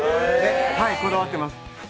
はい、こだわっています。